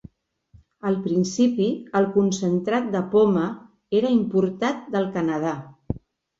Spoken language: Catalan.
Al principi, el concentrat de poma era importat del Canadà.